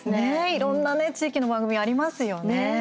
いろんなね地域の番組ありますよね。